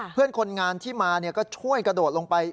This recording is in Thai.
เพื่อนคนงานที่มาก็ช่วยกระโดดลงไป